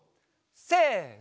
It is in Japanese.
せの。